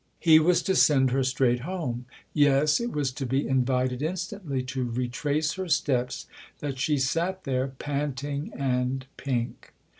He was to send her straight home ; yes, it was to be invited instantly to retrace her steps that she sat there panting and pink.